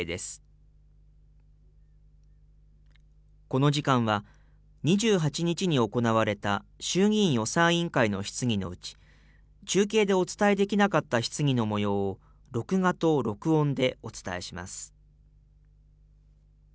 この時間は、２８日に行われた衆議院予算委員会の質疑のうち、中継でお伝えできなかった質疑のもようを録画と録音でお伝えします。